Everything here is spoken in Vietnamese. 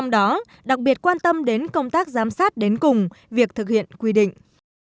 đặc biệt quan tâm đến công tác giám sát đến cùng việc thực hiện quy định